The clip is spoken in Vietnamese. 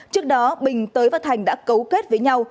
trước đó bình tới và thành đã cấu kết với nhau